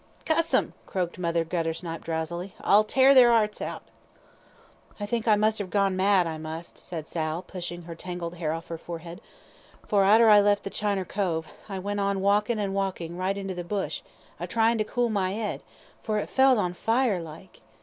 "Cuss 'em!" croaked Mother Guttersnipe, drowsily, "I'll tear their 'earts out." "I think I must have gone mad, I must," said Sal, pushing her tangled hair off her forehead, "for arter I left the Chiner cove, I went on walkin' and walkin' right into the bush, a tryin' to cool my 'ead, for it felt on fire like.